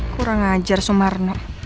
kurang ajar sumarno